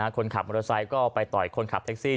คนขับมอเตอร์ไซค์ก็ไปต่อยคนขับแท็กซี่